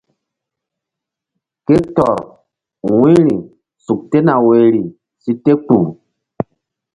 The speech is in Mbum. Ké tɔr wu̧yri suk tena woyri si te kpuh.